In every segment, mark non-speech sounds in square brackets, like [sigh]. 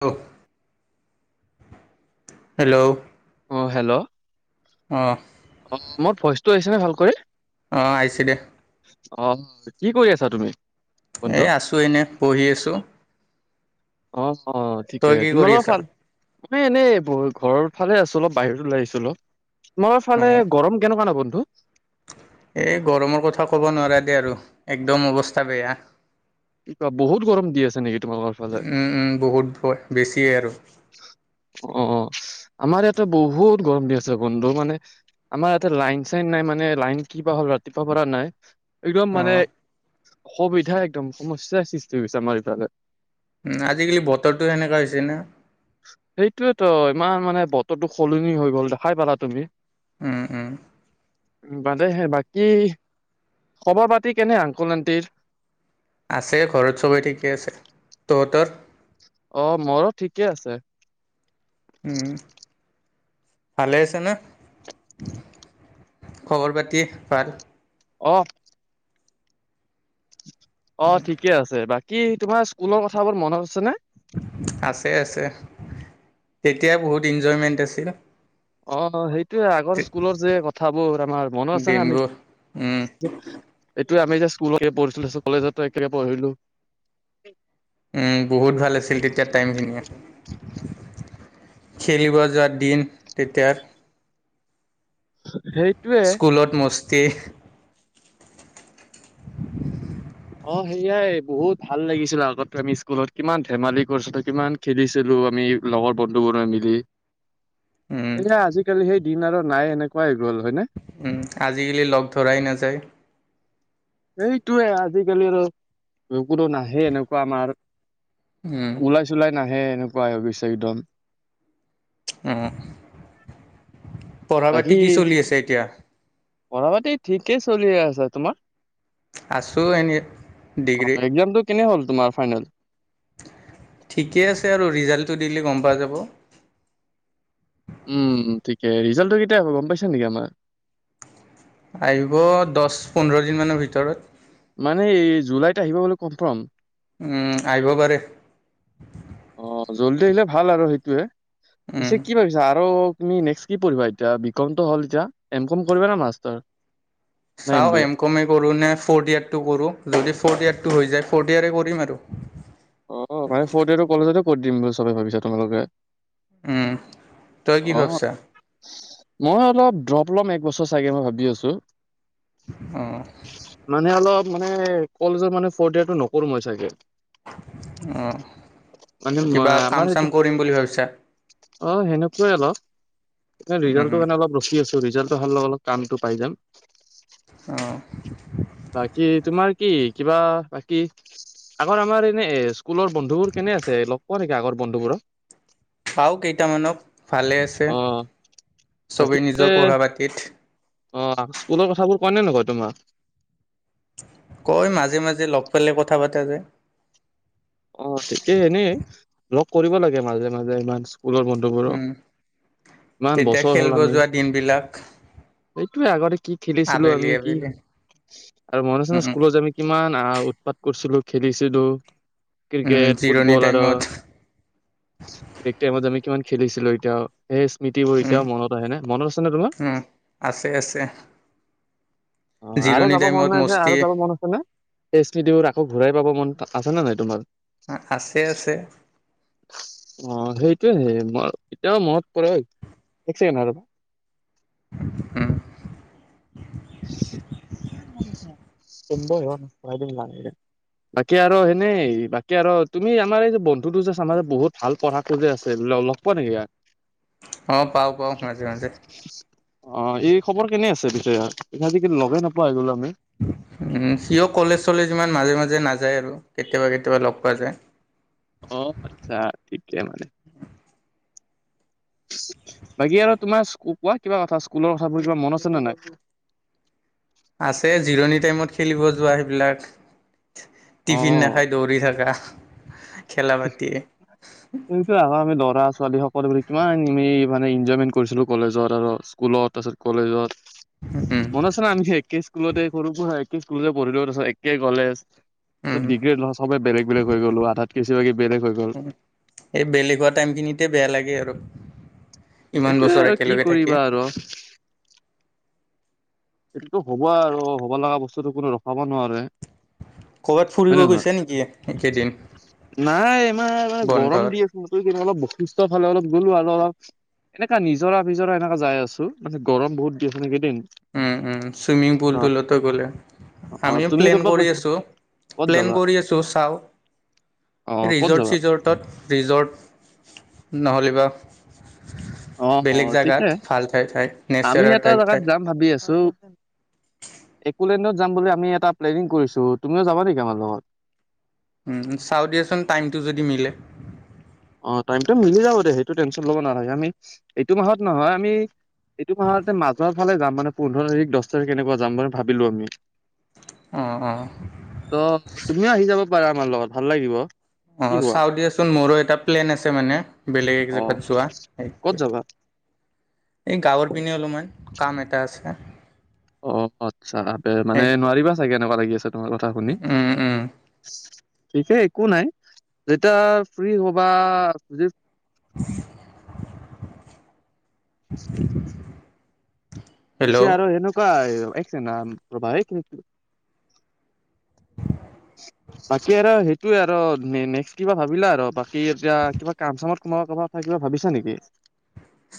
দ [unintelligible] hello অ' hello অঁ আহ মোৰ ভইচটো আহিছেনে ভালকৈ? অ' আহিছে দে। অ' কি কৰি আছা তুমি? বন্ধু এই আছোঁ এনে পঢ়ি আছোঁ। অ' অ' ঠিকে তই কি তোমাৰ, কৰি লগত আছা ভাল মান এনেই ঘৰত ফালে আছো অলপ বাহিৰত লাই আহিছো অলপ মই ফালে অঁ গৰম কেনেকুৱা ন বন্ধু? এই গৰমৰ কথা ক'ব নোৱাৰা দেই আৰু একদম অৱস্থা বেয়া। কি কোৱা বহুত গৰম দি আছে নেকি? তোমালোকৰ ফালে উম উম বহুত বেছিয়ে আৰু। অ' আমাৰ ইয়াতে বহুত গৰম দি আছে বন্ধু মানে আমাৰ ইয়াতে লাইন চাইন নাই মানে লাইন কি বা হ'ল ৰাতিপুৱা পৰা নাই। একদম মানে, অঁ সুবিধা একদম সমস্্যাৰ সৃষ্টি হৈছে আমাৰ ইফালে। উ আজিকালি বতৰটো সেনেকা হৈছে না। সেইটোয় তো ইমান মানে বতৰটো সলনি হৈ গল দেখাই পালা তুমি। উম উম। উ বাদেহে, বাকী খবৰ পাতি কেনে আংকুল আনটিৰ? আছে ঘৰত সবেই ঠিকে আছে, তহঁতৰ? অ' মোৰো ঠিকে আছে। উম ভালে আছে না, খবৰ পাতি ভাল? অ'। অ', ঠিকে আছে। বাকী তোমাৰ স্কুলৰ কথাবোৰ মনত আছে নে? আছে আছে। তেতিয়াই বহুত ইনজয়মেণ্ট আছিল। অ', সেইটোৱে। আগৰ স্কুলৰ যে কথাবোৰ আমাৰ মনত আছে নে আমি দিনবোৰ উম এইটোৱে আমি যে স্কুলতে পঢ়িছিলোঁ। তাৰপাছত কলেজতো একেলগে পঢ়িলোঁ। উম, বহুত ভাল আছিল তেতিয়াৰ টাইমখিনিয়ে। খেলিব যোৱাৰ দিন তেতিয়াৰ। সেইটোৱে। তে? [inaudible] অ', সেয়াই বহুত ভাল লাগিছিল আগতে, আমি স্কুলত কিমান ধেমালি কৰিছিলো, কিমান খেলিছিলো। তুমি, লগৰ বন্ধুবোৰে মিলি। [inaudible] উম সেইয়া, আজি-কালি সেইদিন আৰু নাই, এনেকুৱাই হৈ গ'ল হয়নে? আজি-কালি লগ ধৰাই নাযায়। সেইটোয়ে, আজি-কালি আৰু লগবোৰো নাহে এনেকুৱা আমাৰ উম উলাই-চোলাই নাহে, এনেকুৱাই হৈ গৈছে একদম। অহ। পঢ়া-পাতি বাকী কি চলি আছে এতিয়া? ঠিকে চলি আছে। তোমাৰ? আছোঁ এনে অ', ডিগ্ৰী একজামটো কেনে হ'ল তোমাৰ ফাইনেল? ঠিকে আছে আৰু। ৰিজাল্টটো দিলে গম পোৱা যাব। উম, ঠিকে। ৰিজাল্টটো কেতিয়া আহিব গম পাইছা নেকি আমাৰ? আহিব দছ-পোন্ধৰ দিন মানৰ ভিতৰত। মানে এই জুলাইত আহিব বুলি কনফাৰ্ম? উম, আহিব পাৰে। অ', জল্দি আহিলে ভাল আৰু সেইটোৱে। উম পিছে কি ভাৱিছা আৰু তুমি নেক্সট কি পঢ়িবা এতিয়া? বি কমটো হ'ল এতিয়া। এম কম কৰিবা নে মাষ্টাৰ? চাওঁ, এম কম এ কৰোঁ নে ফ'ৰ্থ ইয়েৰ'টো কৰোঁ। যদি ফ'ৰ্থ ইয়েৰটো হৈ যায় ফ'ৰ্থ ইয়েৰয়ে কৰিম আৰু। অ', মানে ফ'ৰ্থ ইয়েৰটো কলেজতে কৰি দিম বুলি চবে ভাবিছা তোমালোকে? উম, তই কি অ ভাৱিছা? মই অলপ ড্ৰ'প ল'ম এক বছৰ চাগে। মই ভাবি আছো। অ'। মানে অলপ মানে, কলেজত মানে ফ'ৰ্থ ইয়েৰটো নকৰোঁ মই চাগে। অহ। মানে মই আমাৰ সেইটো। অ', সেনেকুৱাই হেল্ল', মই ৰিজাল্টো উম কাৰণে অলপ ৰখি আছোঁ। ৰিজাল্টো অহাৰ লগে লগে কামটো পাই যাম। অ', বাকী তোমাৰ কি, কিবা, বাকী আগৰ আমাৰ এনে স্কুলৰ বন্ধুবোৰ কেনে আছে? লগ পোৱা নেকি আগৰ বন্ধুবোৰক? পাওঁ কেইটামানক। ভালে আছে, অ চবেই বাকীতে নিজৰ পঢ়া-পাতিত। অ', স্কুলৰ কথাবোৰ কয় নে নকয় তোমাক? কয় মাজে মাজে, লগ পালে কথা পাতা যায়। অ', কে এনেই লগ কৰিব লাগে মাজে মাজে ইমানচ স্কুলৰ বন্ধুবোৰক। উম, ইমান তেতিয়া বছৰ হ'ল খেলব আমি যোৱা দিনবিলাক সেইটোৱে। আগতে কি খেলিছিলো আবেলি আমি, কি আবেলি আৰু মনত আছেনে উম, স্কুলত আমি কিমান উৎপাত কৰিছিলো, খেলিছিলো। উম, ক্ৰিকেট, জিৰণি ফুটবল আৰু টাইমত ব্ৰেক টাইমত যে আমি কিমান খেলিছিলো এতিয়াও। এই স্মৃতিবোৰ উম, এতিয়াও মনত আহেনে? মনত আছে নে তোমাৰ? উম। আছে আছে অ', আৰু জিৰণি যাব টাইমত মন নাই নে মস্তি আৰু যাব মন আছে নে? এছ, বি, দেওৰাহ। আকৌ ঘূৰাই পাব মন আছেনে, নাই তোমাৰ? আছে আছে। [unintelligible] এতিয়াও মনত পৰে, এক চেকেণ্ড ৰ'বা। উম। তেন্ত বাকী আৰু সেনেই বাকী আৰু তুমি আমাৰ এই যে বন্ধুটো যে চামাৰ বহুত ভাল পঢ়া খুজি আছে। লগ পোৱা নেকি? অ', পাওঁ পাওঁ, মাজে মাজে। অ', এই খবৰ কেনে আছে বিজয়াৰ? আজি-কালি লগে নোপোৱা হৈ গ'লো। আমি উম, চিও কলেজ-চলেজ ইমান মাজে মাজে যে নাযায় আৰু। কেতিয়াবা কেতিয়াবা লগ পোৱা যায়। অ', আচ্ছা ঠিকে মানে। বাকী আৰু তোমাৰ স্কু কোৱা কিবা কথা স্কুলৰ কথাবোৰ কিবা মন আছেনে নে নাই? আছে জিৰণি টাইমত খেলিব যোৱা সেইবিলাক। টিফিন নাখাই দৌৰি থাকা। খেলা পাতিয়ে এইটো আহ আমি দৰা আছো। ছোৱালীসকল বুলি কিমান আমি মানে এনজয়মেণ্ট কৰিছিলোঁ কলেজত আৰু স্কুলত তাৰপিছত কলেজত। উম মনত আছে ন আমি যে একে স্কুলতে কৰো একে স্কুলতে পঢ়িলো তাৰিছত একে কলেজ। তিত ডিগ্ৰে সবে বেলেগ বেলেগ গলো আধা উ এই বেলেগ হোৱা টাইম খিনিতে বেয়া লাগে আৰু। ইমান এইটোয়ে বছৰ আৰু কি একেলগে থাকে। কৰিবা আৰু সটোতো হব আৰু হ'ব লগা বস্তুতটো কোনো ৰখাব নোৱাৰে। কৰ'বাত হয় ফুৰিব নে নহয় গৈছে নেকি একেইদিন? নাই ইমাৰানে গৰম দি আছ ম কিন্ত অলপ বৈশিস্থ ফালে অলপ গ'লো, আৰু অলপ এনেককা নিজৰা ভিজৰা এনেকা যাই আছো, মানে গৰম বহুত দি স নেকেইদিন। উ উ চুইমিং পুলটোলতে গ'লে, অ আমিও তুমি প্লেন ক'তবা কৰি কৈছা আছো। ক'ত প্লেন যাবা কৰি আছোঁ, চাওঁ। অ ক'ত ৰিজৰ্ট যাবা চিজৰ্টত, ৰিজৰ্ট, নহ'লেবা অ', অ', বেলেগ ঠিকে জোগাত ভাল ঠাই ঠাইত নেচাৰেল টাইপ ঠাই। উম। একো লডত যাম বুলি আমি এটা প্লেনিং কৰিছো, তুমিও যাবা নেকি আমাৰ লগত? চাও দিয়চোন টাইমটো যদি মিলে। অ' টাইমটো মিলি যাব দে সেইটো টেনশ্যন ল'ব নালাগে, আমি এইটো মাহত নহয় আমি এইটো মাহতে মাজৰ ফালে যাম মানে পোন্ধৰ তাৰিখ দহ তাৰিখ কেনেকুৱা যাম বুলি ভাবিলো আমি। অঁ অঁ ত তুমিও আহি যাব পাৰা আমাৰ লগত ভাল লাগিব। কি অ' কোৱা? চাও দিয়েচোন মোৰো এটা প্লেন আছে মানে। বেলেগ এক অ', জেগাত যোৱা, ক'ত সে যাবা? এই গৱৰ পিনে অলপমান কাম এটা আছে। অ' আচ্ছা মানে নোৱাৰিবা চাগে এনেকুৱা লাগি আছে। তোমাৰ কথা শুনি। উম উম ঠিকে একো নাই যেতিয়া ফ্ৰী হবা যদি [inaudible] হেল্ল' পিছে আৰু সেনেকুৱাই একছে ন প্ৰভািন [inaudible] বাকি আৰু সেইটোয়ে আৰু নেক্সট কিবা ভাবিলা আৰু বাকী এতিয়া কিবা কাম চামত কোম কাৰোব থাকিব। ভাবিছা নেকি?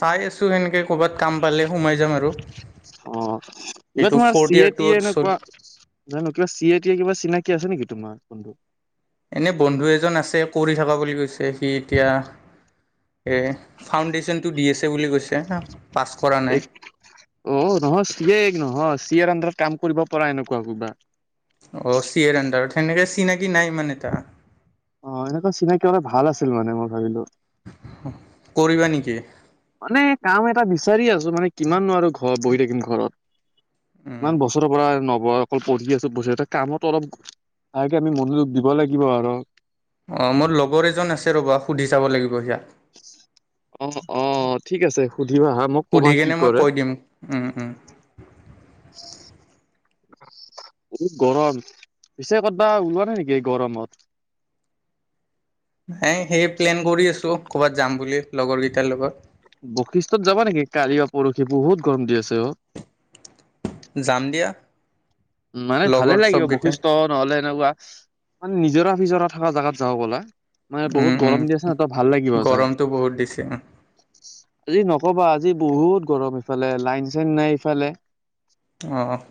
চাই আছোঁ সেনেকে ক'ৰবাত কাম পালে সোমাই যাম আৰু। এবাৰ এইটো তোমাৰ ফৰ্থ চি এ টি ইয়াৰটোত চল এনেকুৱা জানো কিবা চিয় তিয়ে কিবা চিনাকি আছে নেকি তোমাৰ? এনে বন্ধু এজন আছে কৰি থকা বুলি কৈছে সি এতিয় এই ফাউণ্ডেশ্যনটো দি আছে বুলি কৈছে। পাছ কৰা নাই এক অ নহয় চিয়ে এক নহয় চিয়েৰ আন্ধাৰত কাম কৰিব পৰা এনেকুৱা কিবা। অ' চিয়েৰ আন্ধাৰ সেনেকে চিনাকি নাই মানে এ তটা? অ' এনেকুৱা চিনাকি ভাল আছিল মানে মই ভাবিলো। কৰিবা নেকি? মানে কাম এটা বিচাৰি আছো মানে কিমাননো আৰু ঘ বহি থাকিম ঘৰত। উম ইমান বছৰৰ পৰা নব অকল পঢ়ি আছো ব কামত, অলপ আ আমি মনোযোগ দিব লাগিব আৰু। অ' মোৰ লগৰ এজন আছে ৰ'বা সুধি চাব লাগিব সিয়াক। অ' অ' ঠিক আছে সুধ পঠিবা হা মোক কবা সুধি কি কেনে মই কৰে। কৈ দিম উম উম বহুত গৰম, পিছে কৰ'বা ওলোৱা নাই নেকি গৰমত। [inaudible] এ সেই প্লেন কৰি আছো কৰ'বাত যাম বুলি লগৰ কেইটাৰ লগত। বৈশিষ্টত যাবা নেকি, কালি বা পৰহি বহুত গৰম দি আছে অ'। যাম দিয়া। মানে ভালে লগৰ লাগিব চবকেইটা বৈশিষ্ট্ নহলে এনেকুৱা মানে, নিজৰ নিজৰা থকা জেগাত যাওঁ বলে। মানে উম বহুত উম গৰম দি আছে নহ তই ভাল লাগিব যাই। গৰমটো বহুত দিছে অ আজি নকবা আজি বহুত গৰম ইফালে লাইন চাইন নাই ইফালে।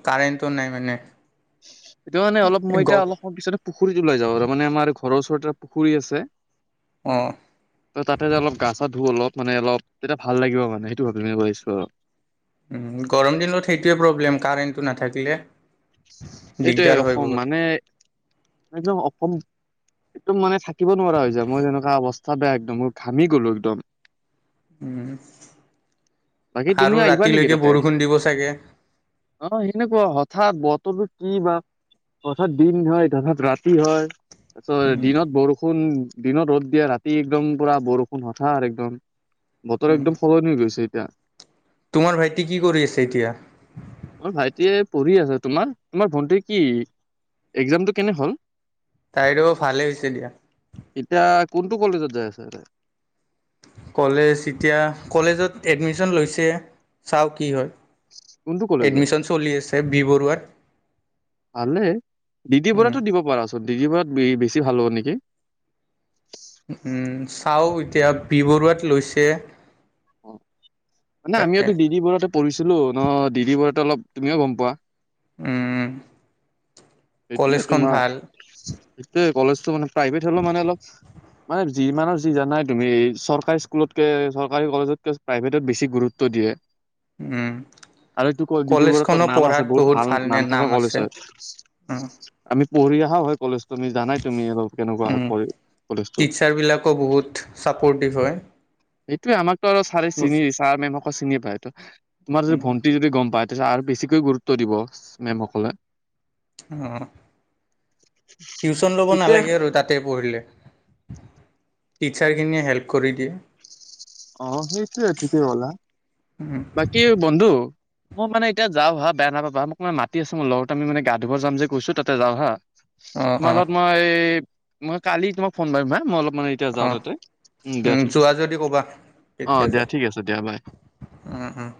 কাৰেণ্টটো নাই মানে সেইটো মানে অলপ মই এই গ এতিয়া অলপ সময় পিছত পুখুৰীত ওলাই যাওঁ আৰু মানে আমাৰ ঘৰৰ ওচৰতে পুখুৰী আছে, অ ত তাতে অলপ গা চা ধো অলপ। মানে অলপ তেতিয়া ভাল লাগিব মানে সেইটো ভাবি ম কৈছো আৰু। উ গৰম দিনত সেইটোোৱে প্ৰব্লেম কাৰেণ্টটো নাথাকিলে। এইটোয়ে দিগদাৰ হয় অসম বহুত মানে, একদম অসম একদম মানে থাকিব নোৱাৰা হৈ যায় মই তেনেকুৱা অৱস্থা বেয়া একদম মোৰ ঘামি গ'লো একদম। উম। বাকী তুমি আহিবা নেকি তাতে, দিব চাগে অ' সেনেকুৱা তথা বতৰো কি বা, হথাৎ দিন হয় তথাৎ ৰাতি হয়। তাৰপিছত দিনত বৰষুণ দিনত ৰ'দ দিয়া ৰাতি একদম পুৰা বৰষুণ হঠাৎ একদম। বতৰ একদম সলনি হৈ গৈছে এতিয়া। তোমাৰ ভাইটি কি কৰি আছে এতিয়া? এতিয়া পঢ়ি আছে তোমাৰ তোমাৰ ভণ্টিৰ কি, এক্জামটো কেনে হ'ল? তাইো ভালে হৈছে দিয়া। এতিয়া কোনটো কলেজত যাই আছে? কলেজ এতিয়া কলেজত এডমিশন লৈছে, চাওঁ কি হয়। কোনটো কলেজত এডমিশন চলি আছে বি বৰুৱাত। ভালে, উম দিদিবতো দিব পাৰা চ। ডিজিবাত বেছি ভাল হ'ব নেকি? চাও এতিয়া বি বৰুৱাত লৈছে। অ' মানে আমিওো তাতে দৰি বোৰতে পঢ়িছিলো ন দি ব অলপ তুমিও গম পোৱা। উম। সেইটোয়ে কলেজখন তোমাৰ, ভাল এইটো কলেজটো মানে প্ৰাইভেট হলে মানে অলপ মানে যি মানৰ যি জানাই তুমি চৰকাৰী স্কুলতকে চৰকাৰী কলেজতকে প্ৰাইভেটত বেছি গুৰুত্ব দিয়ে। উম আৰু এইটো ক বিদ কলেজ ব়ত খনো নাম পঢ়াত আছে বহুত ভাল নাম থকা কলেজ হয়। অ'। আম পঢ় অহা হয় কলেজ। তুমি জানাই তুমি অলপ কেনেকুৱা উম কৰি কলেজটো। টিচাৰ বিলাকো বহুত চাপৰ্টিভ হয় সেইটোৱে আমাকতো আৰু ছাৰে অ চিনি ছাৰ মেমকো চিনি পায়, সটো তোমাৰ যদি ভণ্টি যদি গ'ম পায়। তাৰপছত আৰু বেছিকৈ গুৰুত্ব দিব মেমসকলে। আহ' টিউশচন ল'ব ঠিকে নালাগে আৰু তাতে পঢ়িলে টিচাৰখিনিয়ে হেল্প কৰি দিয়ে। অ' সেইটোৱে ঠিকেই ক'লা বাকী বন্ধু মই মানে এতিয়া যাওঁ হ বে নাপাবা মানে মাতি আছে ম লগ ত আমি মানে গা ধুব যাম যে কৈছো তাতে যাও হা। অ অ তোমাৰ লগত মই, মই কালি তোমাক ফোন কৰিাৰিম হা মই অলপ মানে এতিয়া অ যাওঁ তাতে, উ দিয়া উম, ঠিক আছে যোৱা যদি ক'বা অ' কেতিয়া দিয়া যোৱা ঠিক আছে দিয়া বাই। উম উম।